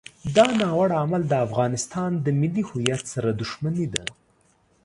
دا ناوړه عمل د افغانستان له ملي هویت سره دښمني ده.